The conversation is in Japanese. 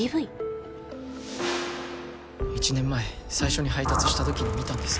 １年前最初に配達したときに見たんです。